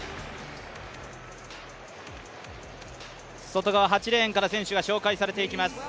外側８レーンから選手が紹介されていきます。